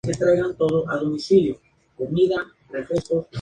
De la ciudad antigua quedan algunos restos.